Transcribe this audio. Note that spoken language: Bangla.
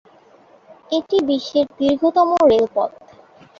এটি বিশ্বের দীর্ঘতম রেলপথ।